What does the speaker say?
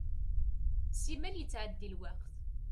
Simmal yettɛeddi lweqt.